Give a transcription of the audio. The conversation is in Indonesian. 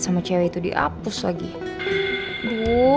kau saat itubil